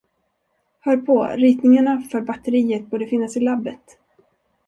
Hör på, ritningarna för batteriet borde finnas i labbet.